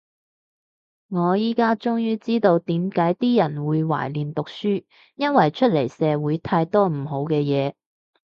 我依家終於知道點解啲人會懷念讀書，因為出嚟社會太多唔好嘅嘢